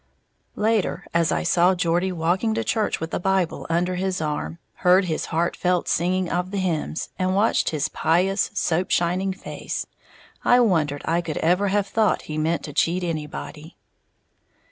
Later, as I saw Geordie walking to church with a Bible under his arm, heard his heart felt singing of the hymns, and watched his pious, soap shining face, I wondered I could ever have thought he meant to cheat anybody.